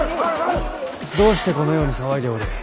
どうしてこのように騒いでおる？